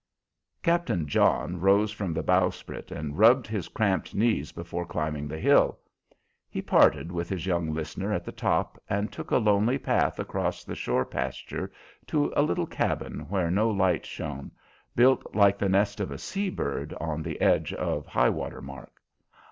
Captain John rose from the bowsprit and rubbed his cramped knees before climbing the hill. He parted with his young listener at the top and took a lonely path across the shore pasture to a little cabin, where no light shone, built like the nest of a sea bird on the edge of high water mark.